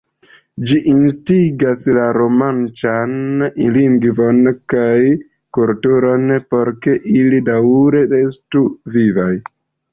Ĝi instigas la romanĉan lingvon kaj kulturon, por ke ili daŭre restu vivaj.